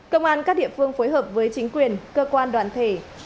công an các địa phương phối hợp với chính quyền cơ quan đoàn thể